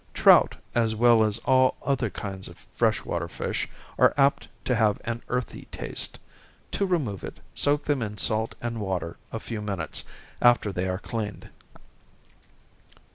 Trout, as well as all other kinds of fresh water fish, are apt to have an earthy taste to remove it, soak them in salt and water a few minutes, after they are cleaned.